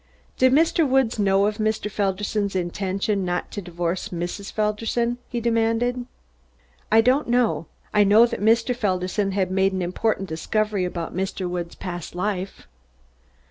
"Did Mr. Woods know of Mr. Felderson's intention not to divorce Mrs. Felderson?" he demanded. "I don't know. I know that Mr. Felderson had made an important discovery about Mr. Woods' past life."